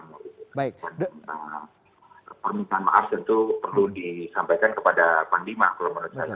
permintaan maaf tentu perlu disampaikan kepada panglima kalau menurut saya